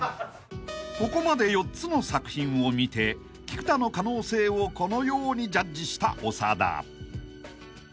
［ここまで４つの作品を見て菊田の可能性をこのようにジャッジした長田］